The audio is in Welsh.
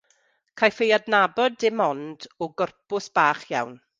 Caiff ei adnabod dim ond o gorpws bach iawn.